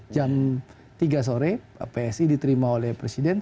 jam tiga sore psi diterima oleh presiden